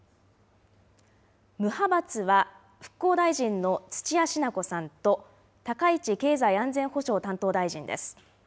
無派閥は復興大臣の土屋品子さんと高市経済安全保障担当大臣です。